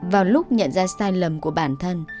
vào lúc nhận ra sai lầm của bản thân